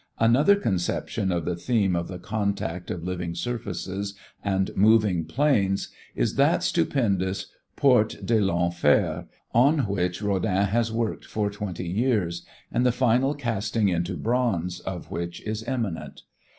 Another conception of the theme of the contact of living surfaces and moving planes is that stupendous "Porte de L'Enfer" on which Rodin has worked for twenty years and the final casting into bronze of which is imminent.